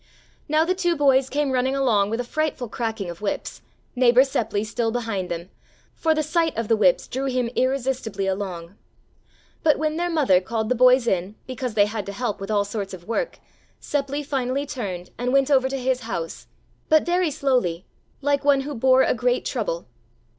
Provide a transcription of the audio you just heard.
Now the two boys came running along with a frightful cracking of whips, neighbor Seppli still behind them, for the sight of the whips drew him irresistibly along. But when their mother called the boys in, because they had to help with all sorts of work, Seppli finally turned and went over to his house, but very slowly, like one who bore a great trouble.